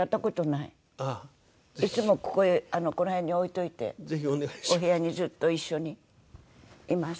いつもこここの辺に置いといてお部屋にずっと一緒にいます。